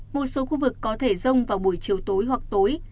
một số khu vực có thể rông vào buổi chiều tối hoặc tối